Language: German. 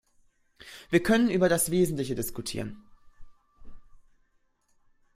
Wir können über das Wesentliche dikutieren.